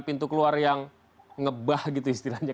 pintu keluar yang ngebah gitu istilahnya